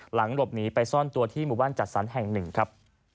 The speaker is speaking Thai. หลบหนีไปซ่อนตัวที่หมู่บ้านจัดสรรแห่งหนึ่งครับ